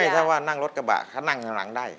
ไม่ใช่ว่านั่งรถกระบะถ้านั่งข้างหลังได้